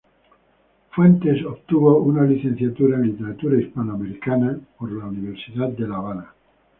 Fuentes obtuvo una licenciatura en Literatura Hispanoamericana en la Universidad de La Habana.